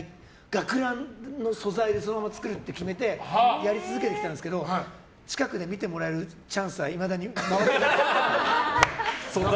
学ランの素材でそのまま作るって決めてやり続けてきたんですけど近くで見てもらえるチャンスはいまだに回ってこない。